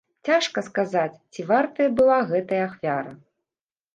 Цяжка сказаць, ці вартая была гэтая ахвяра.